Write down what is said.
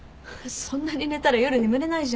そんなに寝たら夜眠れないじゃん。